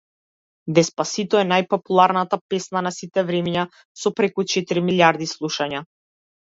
Деспасито е најпопуларната песна на сите времиња, со преку четири милијарди слушања.